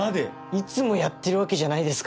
いつもやってるわけじゃないですからね。